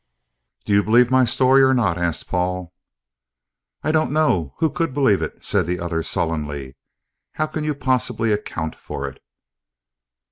"Do you believe my story or not?" asked Paul. "I don't know. Who could believe it?" said the other sullenly. "How can you possibly account for it?"